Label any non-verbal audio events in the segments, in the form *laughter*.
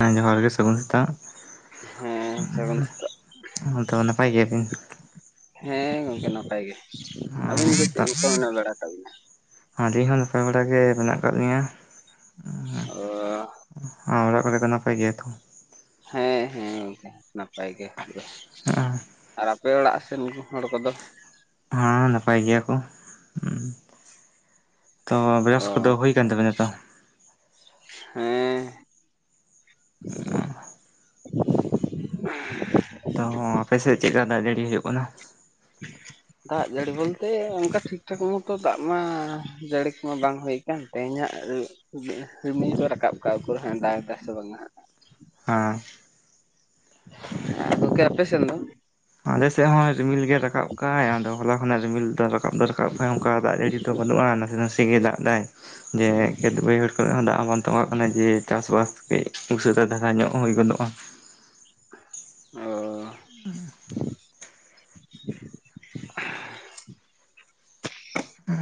ᱦᱮᱸ ᱡᱚᱦᱟᱨ ᱜᱮ ᱥᱟᱹᱜᱩᱱ ᱥᱮᱛᱟᱜ, ᱦᱮᱸ ᱥᱟᱹᱜᱩᱱ ᱥᱮᱛᱟᱜ ᱛᱚ ᱱᱟᱯᱟᱭ ᱜᱮᱭᱟᱵᱤᱱ ᱦᱮᱸ ᱜᱚᱝᱠᱮ ᱱᱟᱯᱟᱭ ᱜᱮ ᱟᱹᱵᱤᱱ ᱜᱮ ᱪᱮᱫ ᱠᱚᱠᱚ ᱩᱱᱟᱜ ᱵᱟᱲᱟ ᱠᱟᱜ ᱵᱤᱱᱟ ᱟᱞᱤᱧ ᱦᱚᱸ ᱱᱟᱯᱟᱭ ᱵᱟᱲᱟ ᱜᱮ ᱢᱮᱱᱟᱜ ᱟᱠᱟᱫ ᱞᱤᱧᱟᱹ ᱚ ᱟᱨ ᱚᱲᱟᱜ ᱠᱚᱨᱮ ᱠᱚ ᱱᱟᱯᱟᱭ ᱜᱮᱭᱟ ᱛᱚ ᱦᱮᱸ ᱦᱮᱸ ᱱᱟᱯᱟᱭ ᱜᱮ ᱫᱚ ᱟᱨ ᱟᱯᱮ ᱚᱲᱟᱜ ᱥᱮᱱ ᱦᱚᱲ ᱠᱚᱫᱚ ᱦᱮᱸ ᱱᱟᱯᱟᱭ ᱜᱮᱭᱟ ᱠᱚᱸ ᱦᱩᱸ ᱛᱚ ᱵᱮᱨᱟᱥ ᱠᱚᱫᱚ ᱚ ᱦᱩᱭ ᱠᱟᱱ ᱛᱟᱵᱮᱱᱟ ᱛᱚ ᱦᱮᱸ ᱚ ᱛᱚ ᱟᱯᱮᱥᱮᱫ ᱪᱮᱫ ᱞᱮᱠᱟ ᱫᱟᱜ ᱡᱟᱹᱲᱤ ᱦᱩᱭᱩᱜ ᱠᱟᱱᱟ ᱦᱮᱸ *unintelligible* ᱫᱟᱜ ᱡᱟᱹᱲᱤ ᱵᱚᱞᱛᱮ ᱚᱱᱠᱟ ᱴᱷᱤᱠ ᱴᱷᱟᱠ ᱢᱚᱛᱚ ᱫᱟᱜ ᱢᱟ ᱡᱟᱹᱲᱤ ᱠᱚᱢᱟ ᱵᱟᱝ ᱦᱩᱭ ᱟᱠᱟᱱ ᱛᱮᱦᱮᱧᱟᱜ ᱨᱤᱢᱤᱞ ᱫᱚ ᱨᱟᱠᱟᱵ ᱠᱟᱜ-ᱟ ᱫᱟᱜ ᱫᱚᱜ ᱥᱮ ᱵᱟᱝᱟ, ᱦᱮᱸ ᱦᱮᱸ ᱜᱚᱢᱠᱮ ᱟᱯᱮ ᱥᱮᱱ ᱫᱚ ᱟᱞᱮ ᱥᱮᱫ ᱦᱚᱸ ᱨᱤᱢᱤᱞ ᱜᱮ ᱨᱟᱠᱟᱵ ᱠᱟᱭ ᱟᱫᱚ ᱦᱚᱞᱟ ᱠᱷᱚᱱᱟᱜ ᱨᱤᱢᱤᱞ ᱫᱚ ᱨᱟᱠᱟᱵ ᱫᱚ ᱨᱟᱠᱟᱵ ᱠᱟᱭ ᱚᱱᱠᱟ ᱫᱟᱜ ᱡᱟᱹᱲᱤ ᱛᱚ ᱵᱟᱹᱱᱩᱜ-ᱟ ᱱᱟᱥᱮ ᱱᱟᱥᱮ ᱜᱮ ᱫᱟᱜ ᱮᱫᱟᱭ ᱡᱮ ᱠᱷᱮᱛ ᱵᱟᱹᱭᱦᱟᱹᱲ ᱠᱚᱨᱮ ᱦᱚᱸ ᱫᱟᱜ ᱦᱚᱸ ᱵᱟᱝ ᱛᱚᱸᱜᱟᱜ ᱠᱟᱱᱟ ᱡᱮ ᱪᱟᱥ ᱵᱟᱥ ᱠᱟᱹᱡ ᱩᱥᱟᱹᱨᱟ ᱫᱷᱟᱨᱟ ᱧᱚᱜ ᱦᱩᱭ ᱜᱚᱫᱚᱜ-ᱟ ᱚ ᱦᱩ ᱦᱩ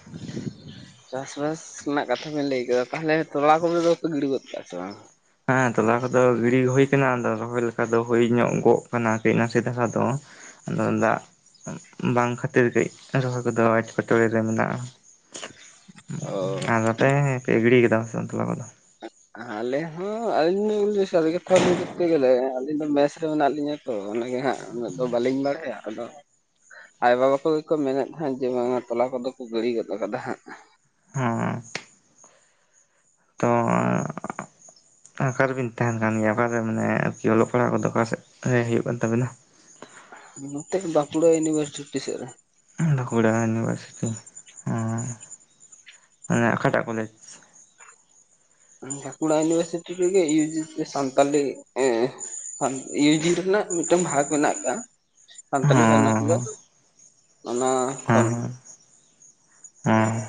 *unintelligible* ᱪᱟᱥᱵᱟᱥ ᱨᱮᱱᱟᱜ ᱠᱟᱛᱷᱟ ᱵᱤᱱ ᱞᱟᱹᱭ ᱠᱮᱫᱟ ᱛᱟᱦᱚᱞᱮ ᱛᱚᱲ ᱠᱚᱜᱮ ᱫᱚ ᱯᱮ ᱜᱤᱲᱤ ᱜᱚᱫ ᱠᱟᱜᱼᱟ ᱥᱮ ᱵᱟᱝ? ᱦᱮᱸ ᱛᱚᱞᱟ ᱠᱚᱫᱚ ᱜᱤᱲᱤ ᱦᱩᱭ ᱠᱟᱱᱟ, ᱟᱫᱚ ᱨᱚᱦᱚᱭ ᱞᱮᱠᱟ ᱫᱚ ᱦᱩᱭ ᱧᱚᱜᱚᱜ ᱠᱟᱱᱟ ᱠᱟᱹᱪ ᱱᱟᱥᱮ ᱫᱷᱟᱨᱟ ᱫᱚ᱾ ᱟᱫᱚ ᱫᱟᱜ ᱵᱟᱝ ᱠᱷᱟᱹᱛᱤᱨ ᱠᱟᱹᱡ ᱨᱚᱦᱚᱭ ᱠᱚᱫᱚ ᱮᱸᱴᱠᱮᱴᱚᱬᱮ ᱨᱮ ᱢᱮᱱᱟᱜᱼᱟ᱾ ᱚ ᱟᱫᱚ ᱟᱯᱮ ᱯᱮ ᱜᱤᱰᱤ ᱠᱮᱫᱟ ᱥᱮ ᱛᱚᱞᱟ ᱠᱚ ᱫᱚ? ᱟᱞᱮ ᱦᱚᱸ ᱟᱹᱞᱤᱧ ᱥᱟᱹᱨᱤ ᱠᱟᱛᱷᱟ ᱞᱟᱹᱭ ᱠᱚᱨᱛᱮ ᱜᱮᱞᱮ ᱟᱹᱞᱤᱧ ᱫᱚ ᱢᱮᱥ ᱨᱮ ᱢᱮᱱᱟᱜ ᱞᱤᱧᱟᱹ᱾ ᱛᱚ ᱚᱱᱟᱜᱮ ᱦᱟᱸᱜ ᱩᱱᱟᱹᱜ ᱫᱚ ᱵᱟᱹᱞᱤᱧ ᱵᱟᱲᱟᱭᱟ ᱟᱫᱚ ᱟᱭᱚ ᱵᱟᱵᱟ ᱠᱚ ᱜᱮᱠᱚ ᱢᱮᱱᱮᱫ ᱛᱟᱦᱮᱸᱫ ᱡᱮ ᱵᱟᱝ ᱛᱚᱞᱟ ᱠᱚᱫᱚ ᱠᱚ ᱜᱤᱲᱤ ᱜᱚᱫ ᱟᱠᱟᱫᱟ ᱦᱟᱸᱜ᱾ ᱦᱮᱸ ᱛᱚ ᱚᱠᱟᱨᱮᱵᱮᱱ ᱛᱟᱦᱮᱱ ᱠᱟᱱ ᱜᱮᱭᱟ ᱚᱠᱟᱨ ᱨᱮ ᱢᱟᱱᱮ ᱟᱨᱠᱤ ᱚᱞᱚᱜ ᱯᱟᱲᱦᱟᱜ ᱠᱚᱫᱚ ᱚᱠᱟ ᱥᱮᱫ ᱨᱮ ᱦᱩᱭᱩᱜ ᱠᱟᱱ ᱛᱟᱵᱤᱱᱟ? ᱱᱚᱛᱮ ᱵᱟᱸᱠᱩᱲᱟ ᱤᱭᱩᱱᱤᱵᱷᱟᱨᱥᱤᱴᱤ ᱥᱮᱫ ᱨᱮ᱾ ᱵᱟᱠᱩᱲᱟ ᱤᱭᱩᱱᱤᱵᱷᱟᱨᱥᱤᱴᱤ ᱢᱟᱱᱮ ᱚᱠᱟᱴᱟᱜ ᱠᱚᱞᱮᱡᱽ? ᱵᱟᱠᱩᱲᱟ ᱤᱭᱩᱱᱤᱵᱷᱟᱨᱥᱤᱴᱤ ᱨᱮᱜᱮ ᱤᱭᱩᱡᱤ ᱥᱟᱱᱛᱟᱞᱤ ᱮᱸ ᱤᱭᱩ ᱡᱤ ᱨᱮᱱᱟᱜ ᱢᱤᱫᱴᱟᱝ ᱵᱷᱟᱜᱽ ᱢᱮᱱᱟᱜ ᱟᱠᱟᱫᱟ ᱥᱟᱱᱛᱟᱞᱤ ᱵᱷᱟᱨᱱᱟ ᱠᱩᱞᱟᱨ᱾ ᱦᱚᱸ ᱚᱱᱟ ᱠᱷᱚᱱ᱾ ᱦᱮᱸ ᱦᱮᱸ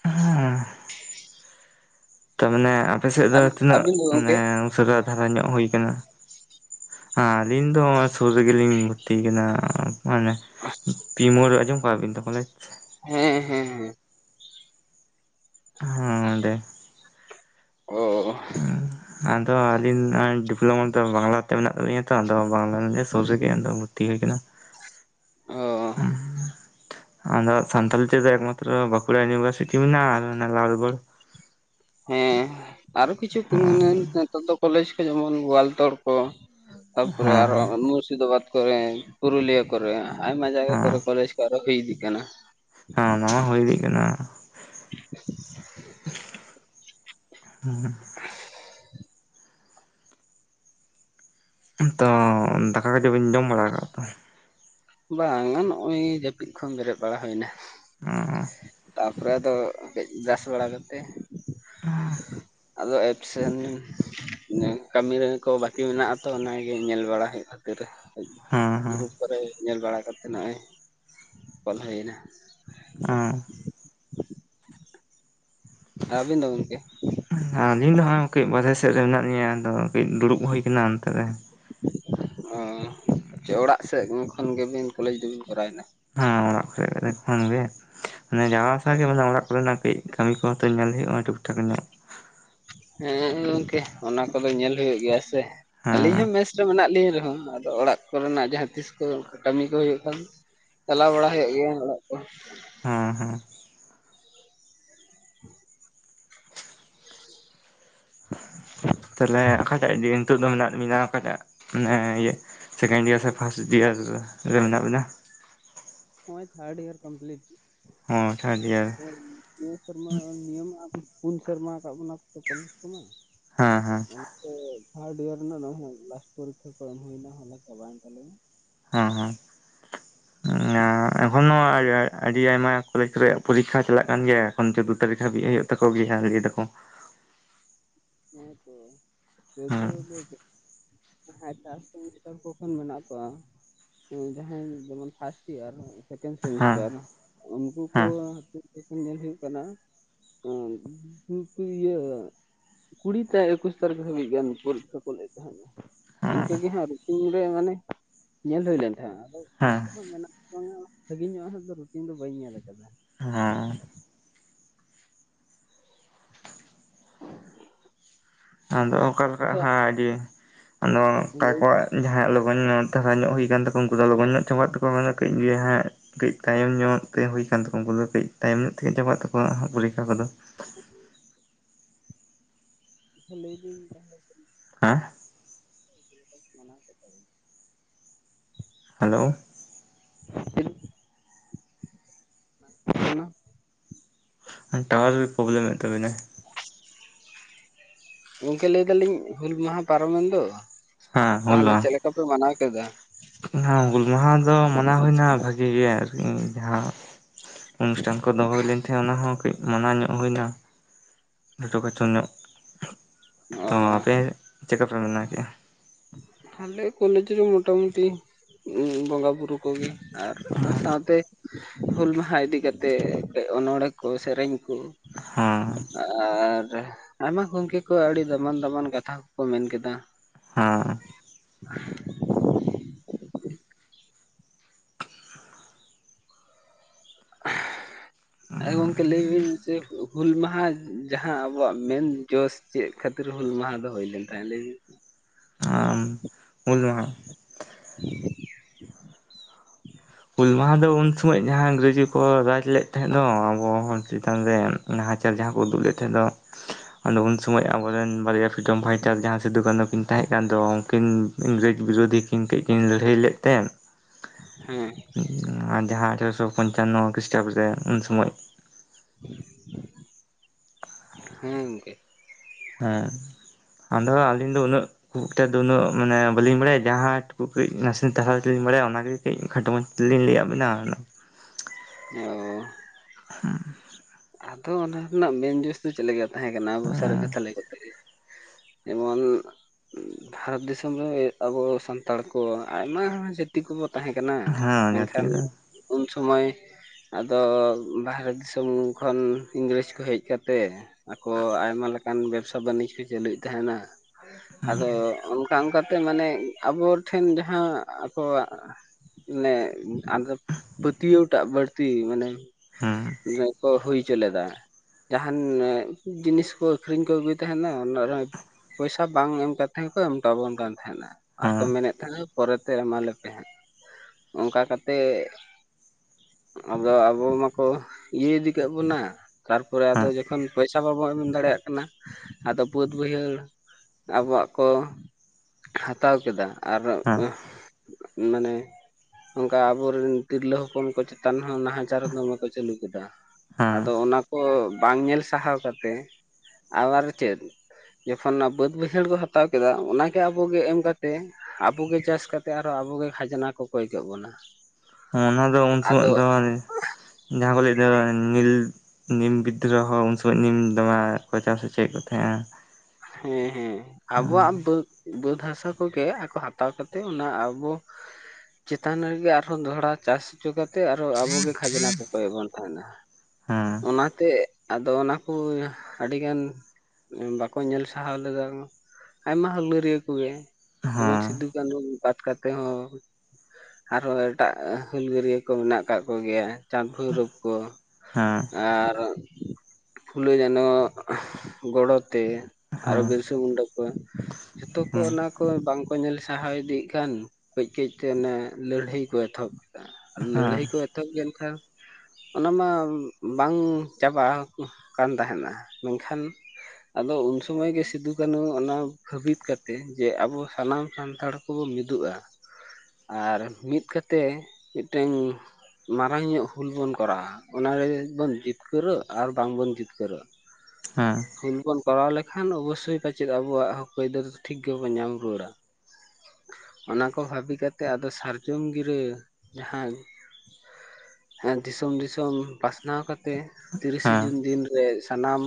ᱦᱮᱸ ᱛᱟᱨ ᱢᱟᱱᱮ ᱟᱯᱮ ᱥᱮᱫ ᱫᱚ ᱛᱤᱱᱟᱹᱜ ᱟᱹᱵᱤᱱ ᱫᱚ ᱢᱟᱱᱮ ᱜᱚᱝᱠᱮ ᱩᱥᱟᱹᱨᱟ ᱫᱷᱟᱨᱟ ᱧᱚᱜ ᱦᱩᱭ ᱠᱟᱱᱟ? ᱦᱮ ᱟᱹᱞᱤᱧ ᱫᱚ ᱱᱚᱜᱚᱭ ᱥᱩᱨ ᱨᱮᱜᱮᱞᱤᱧ ᱵᱷᱩᱨᱛᱤ ᱠᱟᱱᱟ᱾ ᱢᱟᱱᱮ ᱯᱤ ᱢᱳᱲ ᱟᱸᱡᱚᱢ ᱟᱠᱟᱜ ᱵᱤᱱ ᱛᱚ ᱠᱚᱞᱮᱡ? ᱦᱮᱸ ᱦᱮᱸ ᱦᱮᱸ᱾ ᱦᱩᱸᱰᱮ᱾ ᱚ ᱟᱫᱚ ᱟᱹᱞᱤᱧ ᱰᱤᱯᱞᱳᱢᱟ ᱫᱚ ᱵᱟᱝᱞᱟᱛᱮ ᱢᱮᱱᱟᱜ ᱛᱟᱹᱞᱤᱧᱟ᱾ ᱛᱚ ᱟᱫᱚ ᱵᱟᱝ ᱢᱤᱰᱤᱭᱟ ᱥᱩᱨ ᱨᱮᱜᱮ ᱟᱫᱚ ᱵᱷᱩᱨᱛᱤ ᱦᱩᱭ ᱟᱠᱟᱱᱟ ᱚ ᱦᱩᱸ᱾ ᱟᱫ ᱥᱟᱱᱛᱟᱞᱤ ᱛᱮ ᱫᱚ ᱮᱠ‌ ᱢᱟᱛᱨᱚ ᱵᱟᱠᱩᱲᱟ ᱤᱭᱩᱱᱤᱵᱷᱟᱨᱥᱤᱴᱤ ᱢᱮᱱᱟᱜᱼᱟ ᱟᱨ ᱚᱱᱟ ᱞᱟᱞᱜᱚᱲ᱾ ᱦᱮᱸ ᱟᱨᱚ ᱠᱤᱪᱷᱩ ᱦᱮᱸ ᱢᱟᱱᱮ ᱱᱮᱛᱟᱨ ᱫᱚ ᱠᱚᱞᱮᱡᱽ ᱠᱚ ᱡᱮᱢᱚᱱ ᱜᱳᱣᱟᱞᱛᱚᱲ ᱠᱚ ᱛᱟᱯᱚᱨ ᱦᱮᱸ ᱟᱨᱚ ᱢᱩᱨᱥᱤᱫᱟᱵᱟᱫ ᱠᱚᱨᱮ ᱯᱩᱨᱩᱞᱤᱭᱟᱹ ᱠᱚᱨᱮ ᱟᱭᱢᱟ ᱡᱟᱭᱜᱟ ᱦᱮᱸ ᱠᱚᱨᱮ ᱠᱚᱞᱮᱡᱽ ᱠᱚᱨᱟᱣ ᱦᱩᱭᱤᱫᱤᱜ ᱠᱟᱱᱟ᱾ ᱦᱮ ᱱᱚᱣᱟ ᱦᱩᱭᱤᱫᱤᱜ ᱠᱟᱱᱟ᱾ *unintelligible* ᱦᱮᱸ ᱛᱚ ᱫᱟᱠᱟ ᱠᱚᱵᱤᱱ ᱡᱚᱢ ᱵᱟᱲᱟ ᱟᱠᱟᱫ ᱛᱚ? ᱵᱟᱝᱟ ᱱᱚᱜᱼᱚᱭ ᱡᱟᱹᱯᱤᱫ ᱠᱷᱚᱱ ᱵᱮᱨᱮᱫ ᱵᱟᱲᱟ ᱦᱩᱭᱱᱟ᱾ ᱛᱟ ᱯᱚᱨᱮ ᱫᱚ ᱠᱟᱹᱡ ᱵᱮᱥ ᱵᱟᱲᱟ ᱠᱟᱛᱮ, ᱟᱫᱚ ᱮᱯᱥᱮᱱ ᱠᱟᱹᱢᱤ ᱨᱮ ᱠᱚ ᱵᱟᱹᱠᱤ ᱢᱮᱱᱟᱜᱼᱟ ᱛᱚ ᱚᱱᱟᱜᱮ ᱧᱮᱞ ᱵᱟᱲᱟ ᱦᱩᱭᱩᱜᱼᱟ᱾ ᱦᱮᱸ *inaudible* ᱜᱨᱩᱯ ᱠᱚᱨᱮ ᱧᱮᱞ ᱵᱟᱲᱟ ᱠᱟᱛᱮᱫ ᱱᱚᱜᱼᱚᱭ ᱠᱚᱞ ᱦᱩᱭᱱᱟ᱾ ᱚ ᱟᱹᱵᱤᱱ ᱫᱚ ᱜᱚᱢᱠᱮ? ᱟᱹᱞᱤᱧ ᱫᱚ ᱦᱚᱸᱜᱚᱭ ᱠᱟᱹᱡ ᱵᱟᱨᱦᱮ ᱥᱮᱫ ᱨᱮ ᱢᱮᱱᱟᱜ ᱞᱤᱧᱟ ᱟᱫᱚ ᱠᱟᱹᱡ ᱫᱩᱲᱩᱵ ᱦᱩᱭ ᱠᱟᱱᱟ ᱚᱱᱛᱮ ᱨᱮ᱾ ᱚᱻ ᱪᱮ ᱚᱲᱟᱜ ᱥᱮᱫ ᱠᱷᱚᱱ ᱜᱮᱵᱤᱱ ᱠᱚᱞᱮᱡᱽ ᱫᱚᱵᱤᱱ ᱠᱚᱨᱟᱣ ᱮᱫᱟ? ᱦᱮᱸ ᱚᱲᱟᱜ ᱠᱚᱨᱮ ᱠᱷᱚᱱ ᱜᱮ ᱢᱟᱱᱮ ᱡᱟ ᱥᱟᱶᱟ ᱜᱮ ᱢᱟᱱᱮ ᱚᱲᱟᱜ ᱠᱚᱨᱮᱱᱟᱜ ᱠᱟᱹᱡ ᱠᱟᱹᱢᱤ ᱠᱚᱦᱚ ᱛᱚ ᱧᱮᱞ ᱦᱳᱭᱳᱜᱼᱟ ᱴᱩᱠ ᱴᱷᱟᱠ ᱧᱚᱜ᱾ ᱦᱮᱸ ᱜᱚᱝᱠᱮ ᱚᱱᱟ ᱠᱚᱫᱚ ᱧᱮᱞ ᱦᱩᱭᱩᱜ ᱜᱮᱭᱟ ᱾ ᱟᱹᱞᱤᱧ ᱦᱮᱸ ᱦᱚᱸ ᱢᱮᱥ ᱨᱮ ᱢᱮᱱᱟᱜ ᱞᱤᱧ ᱨᱮᱦᱚᱸ ᱟᱫᱚ ᱚᱲᱟᱜ ᱠᱚᱨᱮᱱᱟᱜ ᱡᱟᱦᱟᱸ ᱛᱤᱥ ᱠᱚ ᱠᱟᱹᱢᱤ ᱠᱚ ᱦᱩᱭᱩᱜ ᱠᱷᱟᱱ, ᱪᱟᱞᱟᱣ ᱵᱟᱲᱟ ᱦᱩᱭᱩᱜ ᱜᱮᱭᱟ ᱚᱲᱟᱜ ᱠᱚ᱾ ᱦᱟᱸ ᱦᱟᱸ᱾ *inaudible* ᱛᱟᱦᱞᱮ ᱚᱠᱟᱴᱟᱜ ᱤ ᱱᱤᱛᱚᱜ ᱫᱚ ᱢᱮᱱᱟᱜ ᱢᱮᱱᱟ ᱚᱠᱟᱴᱟᱜ ᱢᱟᱱᱮ ᱤᱭᱟᱹ ᱥᱮᱠᱮᱱᱰ ᱰᱤᱭᱟᱨ ᱥᱮ ᱯᱷᱟᱥᱴ ᱰᱤᱭᱟᱨ ᱨᱮ ᱢᱮᱱᱟᱜ ᱵᱤᱱᱟ ᱦᱚᱜᱼᱚᱭ ᱛᱟᱨᱰ ᱤᱭᱟᱨ ᱠᱚᱢᱯᱞᱤᱴ ᱚ ᱛᱷᱟᱨᱰ ᱤᱭᱟᱨ *unintelligible* ᱥᱮᱨᱢᱟ ᱱᱤᱭᱚᱢ ᱯᱩᱱ ᱥᱮᱨᱢᱟ ᱟᱠᱟᱫ ᱵᱚᱱᱟ ᱠᱚᱛᱚ ᱠᱚᱞᱮᱡᱽ ᱠᱚᱢᱟ ᱦᱟᱸ ᱦᱟᱸ ᱛᱟᱹ ᱛᱷᱟᱨᱰ ᱰᱤᱭᱟᱨ ᱨᱮᱱᱟᱜ ᱱᱚᱭᱦᱟᱜ ᱞᱟᱥᱴ ᱯᱚᱨᱤᱠᱠᱷᱟ ᱠᱚ ᱮᱢ ᱦᱩᱭᱱᱟ ᱦᱚᱞᱟ ᱪᱟᱵᱟᱭᱮᱱ ᱛᱟᱞᱮᱭᱟ ᱦᱮᱸ ᱦᱮᱸ *inaudible* ᱧᱟᱸ ᱮᱠᱷᱚᱱᱚ ᱟᱹᱰᱤ ᱟᱭᱢᱟ ᱠᱚᱞᱮᱡᱽ ᱠᱚᱨᱮᱫ ᱯᱚᱨᱤᱠᱠᱷᱟ ᱪᱟᱞᱟᱜ ᱠᱟᱱ ᱜᱮᱭᱟ ᱮᱠᱷᱚᱱ ᱪᱳᱫᱽᱫᱳ ᱛᱟᱹᱨᱤᱠᱷ ᱦᱟᱹᱵᱤᱡᱽ ᱦᱩᱭᱩᱜ ᱛᱟᱠᱚ ᱜᱮᱭᱟ ᱞᱟᱹᱭ ᱫᱟᱠᱚ ᱦᱮ ᱛᱚ ᱪᱳᱫᱫᱳ ᱦᱮᱸ ᱫᱚ ᱪᱮ ᱡᱟᱦᱟᱭ *unintelligible* ᱥᱮᱢᱮᱥᱴᱟᱨ ᱠᱚ ᱠᱷᱚᱱ ᱢᱮᱱᱟᱜ ᱠᱚᱣᱟ ᱡᱟᱦᱟᱸᱭ ᱡᱮᱢᱚᱱ ᱯᱷᱟᱥᱴ ᱟᱨ ᱥᱮᱠᱮᱱᱰ ᱦᱮᱸ ᱥᱮᱢᱮᱥᱴᱟᱨ ᱩᱱᱠᱩ ᱦᱮᱸ ᱠᱚᱣᱟᱜ *unintelligible* ᱧᱮᱞ ᱦᱩᱭᱩᱜ ᱠᱟᱱᱟ *unintelligible* ᱤᱭᱟᱹ ᱠᱩᱲᱤᱛᱮᱭ ᱮᱠᱩᱥ ᱛᱟᱹᱨᱤᱠᱷ ᱫᱷᱟᱹᱵᱤᱡᱽ ᱜᱟᱱ ᱯᱚᱨᱤᱠᱠᱷᱟ ᱠᱚ ᱞᱟᱹᱭᱮᱫ ᱛᱟᱦᱮᱱᱟ᱾ ᱤᱱᱠᱟᱹ ᱦᱮᱸ ᱜᱮ ᱦᱟᱸᱜ ᱨᱩᱴᱤᱱ ᱨᱮ ᱢᱟᱱᱮ ᱧᱮᱞ ᱦᱩᱭ ᱞᱮᱱ ᱛᱟᱦᱮᱸᱱᱟ ᱟᱫᱚ ᱦᱟᱸ ᱢᱮᱱᱟᱜᱼ ᱟ ᱥᱮ ᱵᱟᱝᱼᱟ ᱥᱟᱺᱜᱤᱧ ᱚᱜ-ᱟ ᱦᱟᱜ ᱫᱚ ᱨᱩᱴᱤᱱ ᱫᱚ ᱵᱟᱹᱧ ᱧᱮᱞ ᱠᱟᱫᱟ᱾ ᱦᱟᱸ ᱟᱫᱚ ᱚᱠᱟᱞᱮᱠᱟᱜ-ᱟ ᱟᱪᱪᱷᱟ ᱦᱟᱸᱜ ᱟᱹᱰᱤ ᱟᱫᱚ ᱚᱠᱟ ᱞᱟᱹᱭ ᱣᱟᱜ ᱡᱟᱦᱟᱸᱭᱟᱜ ᱞᱚᱜᱚᱱ ᱧᱚᱜ ᱫᱷᱟᱨᱟ ᱧᱚᱜ ᱦᱩᱭ ᱠᱟᱱ ᱛᱟᱠᱚ ᱩᱱᱠᱩ ᱫᱚ ᱞᱚᱜᱚᱱ ᱧᱚᱜ ᱪᱟᱵᱟᱜ ᱛᱟᱠᱚᱣᱟ ᱠᱟᱹᱡ ᱤᱭᱟ. ᱦᱮᱸ ᱠᱟᱹᱡᱽ ᱛᱟᱭᱚᱢ ᱧᱚᱜ ᱛᱮ ᱦᱩᱭ ᱠᱟᱱ ᱛᱟᱠᱚᱣᱟ ᱩᱱᱠᱩ ᱫᱚ ᱠᱟᱹᱡᱽ ᱛᱟᱭᱚᱢ ᱧᱚᱜ ᱛᱮᱜᱮ ᱪᱟᱵᱟᱜ ᱛᱟᱠᱚᱣᱟ ᱦᱟᱸᱜ ᱯᱚᱨᱤᱠᱠᱷᱟ ᱠᱚᱫᱚ ᱯᱚᱨᱤᱠᱠᱷᱟ ᱠᱚᱫᱚ ᱞᱟᱹᱭ ᱫᱟᱹᱧ ᱡᱟᱸᱦᱟᱭ *unintelligible* ᱦᱮᱸ *unintelligible* ᱦᱮᱞᱳ *inaudible* *unintelligible* ᱴᱟᱣᱟᱨ ᱯᱨᱚᱵᱞᱮᱢᱮᱫ ᱛᱟᱵᱤᱱᱟᱭ ᱜᱚᱝᱠᱮ ᱞᱟᱹᱭ ᱫᱟᱞᱤᱧ ᱦᱩᱞ ᱢᱟᱦᱟ ᱯᱟᱨᱚᱢᱮᱱ ᱫᱚ ᱦᱮᱸ ᱦᱩᱞ ᱛᱟᱦᱞᱮ ᱪᱮᱫ ᱞᱮᱠᱟᱯᱮ ᱢᱟᱱᱟᱣ ᱠᱮᱫᱟ *unintelligible* ᱦᱩᱞ ᱢᱟᱦᱟ ᱫᱚ ᱢᱟᱱᱟᱣ ᱦᱩᱭᱱᱟ ᱵᱷᱟᱜᱤ ᱜᱮ ᱟᱨᱠᱤ ᱡᱟᱦᱟᱸ ᱚᱱᱩᱥᱴᱷᱟᱱ ᱠᱚ ᱫᱚᱦᱚ ᱦᱩᱭ ᱞᱮᱱ ᱛᱟᱦᱮᱸᱫ ᱚᱱᱟ ᱦᱚᱸ ᱠᱟᱹᱡᱽ ᱢᱟᱱᱟᱣ ᱧᱚᱜ ᱦᱩᱭᱱᱟ ᱪᱷᱚᱴᱚ ᱠᱷᱟᱴᱚ ᱧᱚᱜ ᱚ ᱛᱚ ᱟᱯᱮ ᱪᱮᱠᱟᱯᱮ ᱢᱟᱱᱟᱣ ᱠᱮᱜᱼᱟ? ᱟᱞᱮ ᱠᱚᱞᱮᱡᱽ ᱨᱮ ᱢᱚᱴᱟᱢᱩᱴᱤ ᱵᱚᱸᱜᱟ ᱵᱩᱨᱩ ᱠᱚᱜᱮ ᱟᱨ ᱚᱱᱟ ᱥᱟᱶᱛᱮ ᱦᱩᱞ ᱢᱟᱦᱟ ᱤᱫᱤ ᱠᱟᱛᱮ ᱚᱱᱚᱬᱦᱮᱸ ᱠᱚ ᱥᱮᱨᱮᱧ ᱠᱚ ᱦᱮᱸ ᱟᱨ ᱟᱭᱢᱟ ᱜᱚᱝᱠᱮ ᱠᱚ ᱟᱹᱰᱤ ᱫᱟᱢᱟᱱ ᱫᱟᱢᱟᱱ ᱠᱟᱛᱷᱟ ᱠᱚᱠᱚ ᱢᱮᱱ ᱠᱮᱫᱟ ᱦᱚᱸ *inaudible* *inaudible* ᱮ ᱜᱚᱝᱠᱮ ᱞᱟᱹᱭ ᱵᱤᱱ ᱥᱮ ᱦᱩᱞ ᱢᱟᱦᱟ ᱡᱟᱦᱟᱸ ᱟᱵᱚᱣᱟᱜ ᱢᱮᱱ ᱡᱚᱥ ᱪᱮᱫ ᱠᱷᱟᱹᱛᱤᱨ ᱦᱩᱞ ᱢᱟᱦᱟ ᱫᱚ ᱦᱩᱭ ᱞᱮᱱ ᱛᱟᱦᱮᱸ ᱞᱟᱹᱭᱵᱤᱱ ᱟᱢ ᱦᱩᱞ ᱢᱟᱦᱟ᱾ ᱦᱩᱞ ᱢᱟᱦᱟ ᱫᱚ ᱩᱱ ᱥᱚᱢᱚᱭ ᱡᱟᱦᱟᱸ ᱤᱝᱨᱮᱡᱤ ᱠᱚ ᱨᱟᱡᱽ ᱞᱮᱫ ᱛᱟᱦᱮᱸᱫ ᱫᱚ ᱟᱵᱚ ᱦᱚᱲ ᱪᱮᱛᱟᱱ ᱨᱮ ᱱᱟᱦᱟᱪᱟᱨ ᱡᱟᱦᱟᱸ ᱠᱚ ᱩᱫᱩᱜ ᱞᱮᱫ ᱛᱟᱦᱮᱸᱫ ᱫᱚ *inaudible* ᱟᱫᱚ ᱩᱱ ᱥᱚᱢᱚᱭ ᱟᱵᱚᱨᱮᱱ ᱵᱟᱨᱭᱟ ᱯᱷᱨᱤᱰᱚᱢ ᱯᱷᱟᱭᱴᱟᱨ ᱡᱟᱦᱟᱸ ᱥᱤᱫᱩ ᱠᱟᱱᱩ ᱠᱤᱱ ᱛᱟᱦᱮᱸ ᱠᱟᱱ ᱫᱚ ᱩᱱᱠᱤᱱ ᱤᱝᱨᱮᱡᱽ ᱵᱤᱨᱳᱫᱷᱤ ᱠᱤᱱ ᱠᱟᱹᱡᱽ ᱠᱤᱱ ᱞᱟᱹᱲᱦᱟᱹᱭ ᱞᱮᱫ ᱛᱮ ᱦᱮᱸ ᱩᱸ ᱟᱨ ᱡᱟᱦᱟᱸ ᱟᱴᱷᱮᱨᱚᱥᱚ ᱯᱚᱧᱪᱟᱱᱱᱚ ᱠᱷᱤᱥᱴᱟᱵ ᱨᱮ ᱩᱱ ᱥᱩᱢᱚᱭ *inaudible* ᱦᱮᱸ ᱜᱚᱝᱠᱮ᱾ ᱦᱮᱸ ᱟᱫᱚ ᱟᱹᱞᱤᱧ ᱫᱚ ᱩᱱᱟᱹᱜ ᱠᱷᱩᱵ ᱮᱠᱴᱟ ᱫᱚ ᱩᱱᱟᱹᱜ ᱢᱟᱱᱮ ᱵᱟᱹᱞᱤᱧ ᱵᱟᱲᱟᱭᱟ ᱡᱟᱦᱟᱸ ᱴᱩᱠᱩ ᱱᱟᱥᱮ *unintelligible* ᱞᱤᱧ ᱵᱟᱲᱟᱭᱟ ᱚᱱᱟᱜᱮ ᱠᱟᱹᱡ ᱠᱷᱟᱴᱚ ᱢᱚᱡᱽᱛᱮ ᱞᱤᱧ ᱞᱟᱹᱭᱟᱫ ᱵᱤᱱᱟ᱾ ᱳ *unintelligible* ᱟᱫᱚ ᱚᱱᱟ ᱨᱮᱱᱟᱜ ᱢᱮᱱ ᱡᱳᱥ ᱫᱚ ᱪᱮᱫ ᱞᱮᱠᱟ ᱛᱟᱦᱮᱸ ᱠᱟᱱᱟ ᱟᱵᱚ ᱥᱟᱹᱨᱤ ᱠᱟᱛᱷᱟ ᱞᱟᱹᱭ ᱠᱟᱛᱮ ᱜᱮ ᱮᱢᱚᱱ ᱵᱷᱟᱛ ᱫᱤᱥᱚᱢ ᱨᱮ ᱟᱵᱚ ᱥᱟᱱᱛᱟᱲ ᱠᱚ ᱟᱭᱢᱟ ᱡᱮ ᱛᱤᱠᱩ ᱠᱚ ᱛᱟᱦᱮᱸ ᱠᱟᱱᱟ ᱦᱮᱸ ᱡᱟᱹᱛᱤ ᱢᱮᱱᱠᱷᱟᱱ ᱠᱚᱫᱚ ᱩᱱ ᱥᱚᱢᱚᱭ ᱟᱫᱚ ᱵᱟᱦᱨᱮ ᱫᱤᱥᱚᱢ ᱠᱷᱚᱱ ᱤᱝᱨᱮᱡᱽ ᱠᱚ ᱦᱮᱡ ᱠᱟᱛᱮ ᱟᱠᱚ ᱟᱭᱢᱟ ᱞᱮᱠ ᱠᱟᱱ ᱵᱮᱵᱥᱟ ᱵᱟᱹᱱᱤᱡ ᱠᱚ ᱪᱟᱹᱞᱩᱭᱮᱫ ᱛᱟᱦᱮᱱᱟ ᱟᱫᱚ ᱚᱱ ᱚᱝᱠᱟ ᱚᱝᱠᱟᱛᱮ ᱢᱟᱱᱮ ᱟᱵᱚᱨ ᱴᱷᱮᱱ ᱡᱟᱦᱟᱸ ᱟᱠᱚᱣᱟᱜ ᱱᱮ ᱟᱫᱚ ᱯᱟᱹᱛᱤᱭᱟᱹᱣ ᱴᱟᱜ ᱵᱟᱹᱲᱛᱤ ᱢᱟᱱᱮ ᱦᱮᱸ ᱠᱚ ᱦᱩᱭ ᱦᱚᱪᱚ ᱞᱮᱫᱟ ᱡᱟᱦᱟᱱ ᱡᱤᱱᱤᱥ ᱠᱚ ᱟᱹᱠᱷᱨᱤᱧ ᱠᱚ ᱟᱹᱜᱩᱭ ᱛᱟᱦᱮᱱᱟ ᱚᱱᱟ ᱨᱮᱦᱚᱸ ᱯᱚᱭᱥᱟ ᱵᱟᱝ ᱮᱢ ᱠᱟᱛᱮ ᱦᱚᱠᱚ ᱮᱢ ᱦᱚᱴᱚᱣᱟᱵᱚᱱ ᱠᱟᱱ ᱛᱟᱦᱮᱸᱱᱟ ᱟᱨᱠᱚ ᱦᱮᱸ ᱢᱮᱱᱮᱫ ᱛᱟᱦᱚᱞᱮ ᱯᱚᱨᱮᱛᱮ ᱮᱢᱟᱞᱮᱯᱮ ᱦᱟᱸᱜ ᱚᱱᱠᱟ ᱠᱟᱛᱮᱜ ᱟᱫᱚ ᱟᱵᱚ ᱢᱟᱠᱚ ᱤᱭᱟᱹ ᱤᱫᱤ ᱠᱮᱜ ᱵᱚᱱᱟ ᱠᱟᱨᱯᱚᱨᱮ ᱟᱫᱚ ᱦᱮᱸ ᱡᱚᱠᱷᱚᱱ *unintelligible* ᱴᱟ ᱵᱟᱵᱚᱱ ᱮᱢ ᱫᱟᱲᱮᱭᱟᱜ ᱠᱟᱱᱟ ᱟᱫᱚ ᱵᱟᱹᱫ ᱵᱟᱹᱭᱦᱟᱹᱲ ᱟᱵᱚᱣᱟᱜ ᱠᱚ ᱦᱟᱛᱟᱣ ᱠᱮᱫᱟ ᱟᱨ ᱦᱩᱸ ᱢᱟᱱᱮ ᱚᱝᱠᱟ ᱟᱵᱚᱨᱮᱱ ᱛᱤᱨᱞᱟᱹ ᱦᱚᱯᱚᱱ ᱠᱚ ᱪᱮᱛᱟᱱ ᱦᱚᱸ ᱱᱟᱦᱟᱪᱟᱨ ᱦᱚᱸ ᱫᱚᱢᱮ ᱠᱚ ᱪᱟᱹᱞᱩ ᱠᱮᱫᱟ᱾ ᱦᱮᱸ ᱟᱫᱚ ᱚᱱᱟ ᱠᱚ ᱵᱟᱝ ᱧᱮᱞ ᱥᱟᱦᱟᱣ ᱠᱟᱛᱮᱛ ᱟᱵᱟᱨ ᱪᱮᱫ ᱡᱚᱠᱷᱚᱱ ᱚᱱᱟ ᱵᱟᱹᱫ ᱵᱟᱹᱭᱦᱟᱹᱲ ᱠᱚ ᱦᱟᱛᱟᱣ ᱠᱮᱫᱟ ᱚᱱᱟᱜᱮ ᱟᱵᱚᱜᱮ ᱮᱢ ᱠᱟᱛᱮ ᱟᱵᱚᱜᱮ ᱪᱟᱥ ᱠᱟᱛᱮᱜ ᱟᱨᱦᱚᱸ ᱟᱵᱚᱜᱮ ᱠᱷᱟᱡᱽᱱᱟ ᱠᱚ ᱠᱷᱚᱭ ᱠᱮᱜ ᱵᱚᱱᱟ᱾ ᱚᱱᱟ ᱫᱚ ᱩᱱ ᱥᱚᱢᱚᱭ ᱟᱫᱚ ᱫᱚ ᱡᱟᱦᱟᱸ ᱠᱚ ᱞᱟᱹᱭᱮᱫ ᱫᱚ ᱱᱤᱞ ᱱᱤᱢ ᱵᱤᱫᱽᱫᱨᱚᱦᱚ ᱩᱱ ᱥᱚᱢᱚᱭ ᱱᱤᱢ ᱫᱚᱢᱮ ᱠᱚ ᱪᱟᱥ ᱦᱚᱪᱚᱭᱮᱫ ᱠᱚ ᱛᱟᱦᱮᱸᱜᱼᱟ ᱦᱮᱸ ᱦᱮᱸ ᱦᱮᱸ ᱟᱵᱚᱣᱟᱜ ᱵᱟᱹᱛ ᱵᱟᱹᱫᱽ ᱦᱟᱥᱟ ᱚᱝᱠᱮ ᱟᱠᱚ ᱦᱟᱛᱟᱣ ᱠᱟᱛᱮᱫ ᱚᱱᱟ ᱟᱵᱚ ᱪᱮᱛᱟᱱ ᱨᱮᱜᱮ ᱟᱨᱦᱚᱸ ᱫᱚᱦᱚᱲᱟ ᱪᱟᱥ ᱪᱚ ᱠᱟᱛᱮ ᱟᱨᱚ ᱟᱵᱚᱜᱮ ᱠᱷᱟᱡᱽᱱᱟ ᱠᱚ ᱠᱚᱭ ᱵᱚᱱ ᱛᱟᱦᱮᱱᱟ ᱦᱮᱸ ᱚᱱᱟᱛᱮ ᱟᱫᱚ ᱚᱱᱟ ᱠᱚ ᱟᱹᱰᱤᱜᱟᱱ ᱵᱟ ᱠᱚ ᱧᱮᱞ ᱥᱟᱦᱟᱣ ᱞᱮᱫᱟ᱾ ᱟᱭᱢᱟ ᱦᱩᱞ ᱜᱟᱹᱨᱤᱭᱟ ᱠᱚᱜᱮ ᱡᱮᱢᱚᱱ ᱦᱮᱸ ᱥᱤᱫᱩ ᱠᱟᱹᱱᱩ ᱵᱟᱭ ᱠᱟᱛᱮ ᱦᱚᱸ ᱟᱨᱦᱚᱸ ᱮᱴᱟᱜ ᱦᱩᱞᱜᱟᱹᱨᱭᱟᱹ ᱠᱚ ᱢᱮᱱᱟᱜ ᱠᱟᱜ ᱠᱚᱜᱮᱭᱟ᱾ ᱪᱟᱸᱫᱽ ᱵᱷᱳᱭᱨᱳᱵ ᱠᱚ ᱦᱮᱸ ᱟᱨ ᱯᱷᱩᱞᱚ ᱡᱟᱱᱚ ᱜᱚᱲᱚ ᱛᱮ ᱟᱨᱚ ᱦᱮᱸ ᱦᱮᱸ ᱵᱤᱨᱥᱟ ᱢᱩᱱᱰᱟ ᱠᱚ ᱡᱷᱚᱛᱚ ᱠᱚ ᱚᱱᱟ ᱠᱚ ᱵᱟᱝᱠᱚ ᱧᱮᱞ ᱥᱟᱦᱟᱣ ᱤᱫᱤᱭᱮᱜ ᱠᱟᱱ ᱠᱟᱹᱡ ᱠᱟ. ᱡ ᱛᱮ ᱚᱱᱮ ᱞᱟᱹᱲᱦᱟᱹᱭ ᱠᱚ ᱮᱛᱚᱦᱚᱵ ᱦᱮᱸ ᱦᱮᱸ ᱞᱟᱹᱲᱦᱟᱹᱭ ᱠᱚ ᱮᱛᱚᱦᱚᱵ ᱠᱮᱱ ᱠᱷᱟᱱ ᱚᱱᱟᱢᱟ ᱵᱟᱝ ᱪᱟᱵᱟ ᱠᱟᱱ ᱛᱟᱦᱮᱱᱟ ᱢᱮᱱᱠᱷᱟᱱ ᱟᱫᱚ ᱩᱱ ᱥᱚᱢᱚᱭ ᱜᱮ ᱥᱤᱫᱩ ᱠᱟᱹᱱᱩ ᱚᱱᱟ ᱵᱷᱟᱹᱵᱤᱛ ᱠᱟᱛᱮ ᱡᱮ ᱟᱵᱚ ᱥᱟᱱᱟᱢ ᱥᱟᱱᱛᱟᱲ ᱠᱚᱵᱚ ᱢᱤᱫᱚᱜᱼᱟ᱾ ᱟᱨ ᱢᱤᱫ ᱠᱟᱛᱮ ᱢᱤᱫᱴᱮᱱ ᱢᱟᱨᱟᱝ ᱧᱚᱜ ᱦᱩᱞ ᱵᱚᱱ ᱠᱚᱨᱟᱣᱟ ᱚᱱᱟ ᱨᱮᱵᱚᱱ ᱡᱤᱛᱠᱟᱹᱨᱚᱜ ᱟᱨ ᱵᱟᱝ ᱵᱚᱱ ᱡᱤᱛᱠᱟᱹᱨᱚᱜ᱾ ᱦᱩᱸ ᱦᱩᱞ ᱵᱚᱱ ᱠᱚᱨᱟᱣ ᱞᱮᱠᱷᱟᱱ ᱚᱵᱚᱥᱳᱭ ᱯᱟᱪᱮᱫ ᱟᱵᱚᱣᱟᱜ ᱦᱚᱠ ᱟᱹᱭᱫᱟᱹᱨ ᱴᱷᱤᱠ ᱜᱮᱵᱚᱱ ᱧᱟᱢ ᱨᱩᱣᱟᱹᱲᱟ ᱾ ᱚᱱᱟ ᱠᱚ ᱵᱷᱟᱵᱤ ᱠᱟᱛᱮ ᱟᱫᱚ ᱥᱟᱨᱡᱚᱢ ᱜᱤᱨᱟᱹ ᱡᱟᱸᱦᱟᱭ ᱫᱤᱥᱚᱢ ᱫᱤᱥᱚᱢ ᱯᱟᱥᱱᱟᱣ ᱠᱟᱛᱮ ᱛᱮ ᱛᱤᱨᱤᱥᱤ ᱡᱩᱱ ᱫᱤᱱ ᱨᱮ ᱥᱟᱱᱟᱢ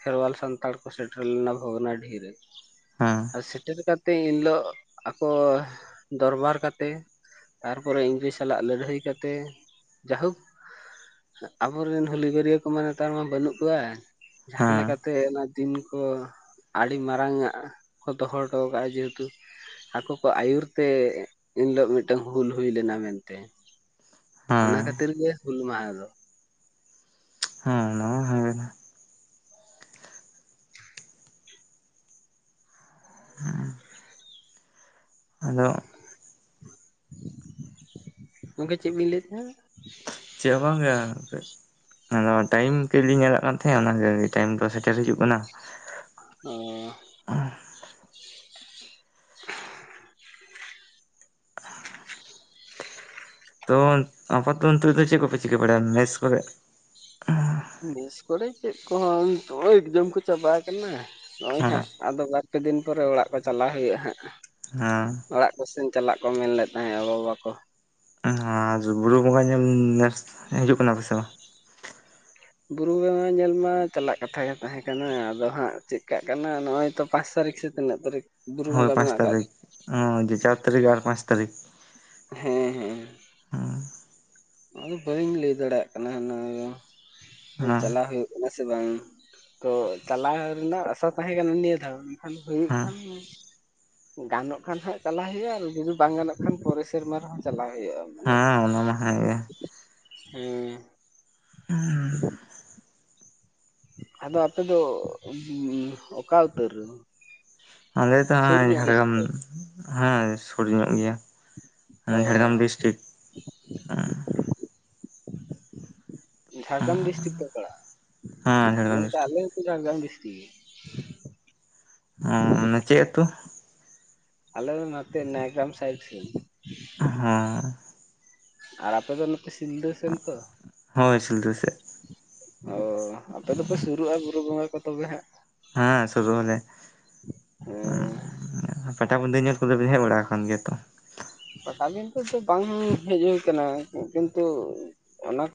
ᱠᱷᱮᱨᱣᱟᱞ ᱥᱟᱱᱛᱟᱲ ᱠᱚ ᱥᱮᱴᱮᱨ ᱞᱮᱱᱟ ᱵᱷᱚᱜᱽᱱᱟ ᱰᱤᱦᱤ ᱨᱮ ᱦᱮᱸ ᱥᱮᱴᱮᱨ ᱠᱟᱛᱮ ᱤᱱ ᱦᱤᱞᱳᱜ ᱟᱠᱚ ᱫᱚᱨᱵᱟᱨ ᱠᱟᱛᱮ ᱛᱟᱨᱯᱚᱨᱮ ᱤᱝᱨᱮᱡᱽ ᱥᱟᱞᱟᱜ ᱞᱟᱹᱲᱦᱟᱹᱭ ᱠᱟᱛᱮ ᱡᱟ ᱦᱳᱠ ᱟᱵᱚᱨᱮᱱ ᱦᱩᱞᱜᱟᱹᱨᱭᱟ ᱠᱚᱢᱟ ᱱᱮᱛᱟᱨ ᱢᱟ ᱵᱟᱹᱱᱩᱜ ᱠᱚᱣᱟ ᱡᱟᱸᱦᱟ ᱦᱮᱸ ᱦᱮᱸ ᱞᱮᱠᱟᱛᱮ ᱚᱱᱟ ᱫᱤᱱ ᱠᱚ ᱟᱹᱰᱤ ᱢᱟᱨᱟᱝ ᱟᱜ ᱠᱚ ᱫᱚᱦᱚ ᱦᱚᱴᱚ ᱠᱟᱜᱼᱟ ᱡᱮᱦᱩᱛᱩ ᱟᱠᱚ ᱠᱚ ᱟᱹᱭᱩᱨᱛᱮ ᱮᱱᱦᱤᱞᱳᱜ ᱢᱤᱫᱴᱟᱝ ᱦᱩᱞ ᱦᱩᱭ ᱞᱮᱱᱟ ᱢᱮᱱᱛᱮ ᱚᱱᱟ ᱦᱮᱸ ᱠᱷᱟᱹᱛᱤᱨ ᱜᱮ ᱦᱩᱞ ᱢᱟᱦᱟ ᱫᱚ *unintelligible* *unintelligible* *unintelligible* ᱜᱚᱝᱠᱮ ᱪᱮᱫ ᱵᱤᱱ ᱞᱟᱹᱭ ᱮᱫ ᱛᱟᱦᱮᱫ ᱦᱟᱸ ᱪᱮᱫ ᱦᱚ ᱵᱟᱝ ᱭᱟ ᱦᱟᱯᱮᱜ ᱟᱫᱚ ᱴᱟᱭᱤᱢ ᱠᱟ. ᱡ ᱞᱤᱧ ᱧᱮᱞᱟᱜ ᱠᱟᱱ ᱛᱟᱦᱮᱫ ᱚᱱᱟ ᱜᱮ ᱴᱟᱭᱤᱢ ᱫᱚ ᱥᱮᱴᱮᱨ ᱦᱤᱡᱩᱜ ᱠᱟᱱᱟ *unintelligible* ᱛᱚ ᱟᱯᱟᱛᱚᱛᱚ ᱱᱤᱛᱚᱜ ᱫᱚ ᱪᱮᱫ ᱠᱚᱯᱮ ᱪᱤᱠᱟᱹ ᱵᱟᱲᱟᱭᱟ ᱢᱮᱥ ᱠᱚᱨᱮ ᱢᱤᱥ ᱠᱚᱨᱮ ᱪᱮᱫ ᱠᱚᱦᱚᱸ ᱱᱤᱛ ᱮᱠᱡᱚᱢ ᱠᱚ ᱪᱟᱵᱟ ᱟᱠᱟᱱᱟ ᱱᱚᱜ ᱚᱭ ᱦᱮᱸ ᱦᱟᱸᱜ ᱟᱫᱚ ᱵᱟᱨᱯᱮ ᱫᱤᱱ ᱯᱚᱨᱮ ᱚᱲᱟᱜ ᱠᱚ ᱪᱟᱞᱟᱣ ᱦᱩᱭᱩᱜᱼᱟ ᱦᱟᱸᱜ *unintelligible* ᱠᱚᱥᱪᱮᱱ ᱪᱟᱞᱟᱜ ᱠᱚ ᱢᱮᱱ ᱞᱮᱫ ᱛᱟᱦᱮᱸᱫ ᱜᱚᱼᱵᱟᱵᱟᱠᱚ ᱵᱩᱨᱩ ᱵᱚᱸᱜᱟ ᱧᱮᱞ ᱱᱮᱥ ᱦᱤᱡᱩᱜ ᱠᱟᱱᱟ ᱯᱮᱥᱮ ᱵᱟᱝ ᱵᱩᱨᱩ ᱵᱚᱜᱟ ᱧᱮᱞ ᱢᱟ ᱪᱟᱞᱟᱜ ᱠᱟᱛᱷᱟ ᱜᱮ ᱛᱟᱦᱮᱸ ᱠᱟᱱᱟ ᱟᱫᱚ ᱦᱟᱸᱜ ᱪᱮᱫ ᱠᱟᱜ ᱠᱟᱱᱟ ᱱᱚᱜ ᱚᱭ ᱛᱚ ᱯᱟᱸᱪ ᱛᱟᱹᱨᱤᱠᱷ ᱥᱮᱫ ᱛᱤᱱᱟᱹᱜ ᱛᱟᱹᱨᱤᱠ ᱦᱳᱭ ᱯᱟᱸᱪ ᱛᱟᱨᱤᱠ ᱪᱟᱨ ᱛᱟᱹᱨᱤᱠ ᱟᱨ ᱯᱟᱸᱪ ᱛᱟᱹᱨᱤᱠ ᱦᱮᱸ ᱦᱮᱸ ᱦᱩᱸ ᱟᱫᱚ ᱵᱟᱹᱧ ᱞᱟᱹᱭ ᱫᱟᱲᱮᱭᱟᱜ ᱠᱟᱱᱟ ᱚᱱᱟ ᱫᱚ ᱪᱟᱞᱟᱜ ᱦᱩᱭᱩᱜ ᱦᱮ ᱥᱮ ᱵᱟᱝ ᱛᱚ ᱪᱟᱞᱟᱣ ᱨᱮᱱᱟᱜ ᱟᱥᱟ ᱛᱟᱦᱮᱸ ᱠᱟᱱᱟ ᱱᱤᱭᱟ ᱫᱷᱟᱣ ᱠᱷᱟᱱ ᱦᱩᱭᱩᱜ ᱦᱮᱸ ᱠᱷᱟᱱ ᱜᱟᱱᱚᱜ ᱠᱷᱟᱱ ᱦᱟᱸᱜ ᱪᱟᱞᱟᱜ ᱦᱩᱭ ᱡᱩᱫᱤ ᱵᱟᱝ ᱜᱟᱱᱚᱜ ᱠᱷᱟᱱ ᱯᱚᱨᱮ ᱥᱮᱨᱢᱟ ᱨᱮᱦᱚᱸ ᱪᱟᱞᱟᱜ ᱦᱩᱭᱩᱜᱼᱟ ᱦᱮᱸ ᱚᱱᱟ ᱢᱟ ᱦᱸᱮ, ᱜᱮ ᱦᱩᱸ *unintelligible* ᱟᱫᱚ ᱟᱯᱮ ᱫᱚ ᱚᱠᱟ ᱩᱛᱟᱹᱨ, ᱟᱞ ᱛᱚᱮ ᱥᱩᱨ ᱧᱚᱜ ᱜᱮᱭᱟ ᱥᱮ ᱡᱷᱟᱲᱜᱨᱟᱢ ᱪᱮᱫ ᱦᱮᱸ ᱥᱩᱨ ᱧᱚᱜ ᱜᱮᱭᱟ ᱚᱻ ᱡᱷᱟᱲᱜᱨᱟᱢ ᱰᱤᱥᱴᱤᱠ ᱡᱷᱟᱲᱜᱨᱟᱢ ᱰᱤᱥᱴᱤᱠ ᱯᱮ ᱯᱚᱲᱟᱻᱟ ᱦᱮᱸ ᱡᱷᱟᱲᱜᱨᱟᱢ ᱜᱚᱝᱠᱮ ᱰᱤᱥᱴᱤᱠ ᱟᱞᱮ ᱦᱚᱛᱚ ᱡᱷᱟᱲᱜᱟᱢ ᱰᱤᱥᱴᱤᱠᱴ ᱚ ᱚᱱᱮ ᱪᱮᱫ ᱟᱹᱛᱩ, ᱟᱮᱞ ᱫᱚ ᱱᱟᱛᱮ ᱱᱟᱭ ᱜᱟᱢ ᱥᱟᱭᱤᱰ ᱥᱮᱫ ᱦᱮᱸ ᱟᱨ ᱟᱯᱮ ᱫᱚ ᱱᱚᱛᱮ ᱥᱤᱞᱫᱟᱹ ᱥᱮᱱ ᱛᱚ ᱦᱳᱭ ᱥᱤᱞᱫᱟᱹ ᱥᱮᱫ ᱚᱻ ᱟᱯᱮ ᱫᱚᱯᱮ ᱥᱩᱨᱩᱜᱼᱟ ᱵᱩᱨᱩ ᱵᱚᱸᱜᱟ ᱠᱚ ᱛᱚᱵᱮ ᱦᱟᱸᱜ, ᱦᱮᱸ ᱥᱩᱨᱩ ᱟᱞᱮ, ᱦᱮᱸ ᱦᱸ ᱯᱟᱴᱟᱵᱱᱫᱟᱹ ᱧᱮᱞ ᱠᱚᱫᱚ ᱯᱮ ᱦᱮᱡ ᱵᱟᱲᱟ ᱟᱠᱟᱱ ᱜᱮᱭᱟ ᱛᱚ, ᱯᱟᱴᱟ ᱫᱤᱱᱫᱷᱟ ᱵᱟᱝ ᱦᱮᱡ ᱦᱩᱭ ᱟᱠᱟᱱᱟ ᱠᱤᱱᱛᱩ ᱚᱱᱟ